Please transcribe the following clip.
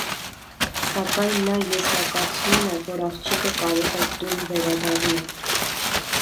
Սակայն նա եզրակացնում է, որ աղջիկը կարող է տուն վերադառնալ։